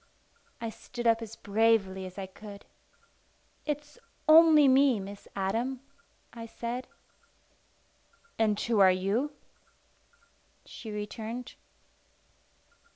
I stood up as bravely as I could. "It's only me, Miss Adam," I said. "And who are you?" she returned.